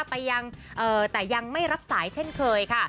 ไปยังแต่ยังไม่รับสายเช่นเคยค่ะ